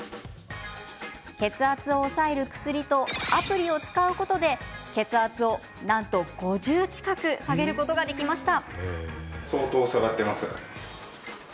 血圧を抑える薬とアプリを使うことで血圧をなんと５０近く下げることができました。